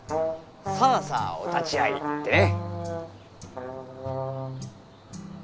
「さあさあお立ち会い」ってね。